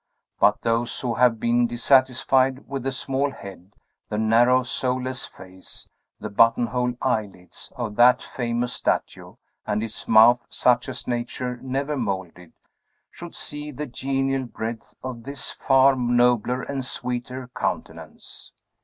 But those who have been dissatisfied with the small head, the narrow, soulless face, the button hole eyelids, of that famous statue, and its mouth such as nature never moulded, should see the genial breadth of this far nobler and sweeter countenance.